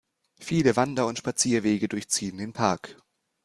Viele Wander- und Spazierwege durchziehen den Park.